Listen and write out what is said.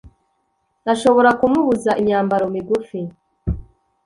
ashobora kumubuza imyambaro migufi